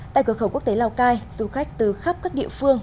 tại cửa khẩu quốc tế lào cai du khách từ khắp các địa phương